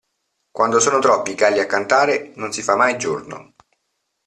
Quando sono troppi i galli a cantare, non si fa mai giorno.